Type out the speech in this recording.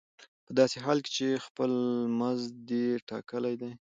په داسې حال کې چې خپل مزد دې ټاکلی دی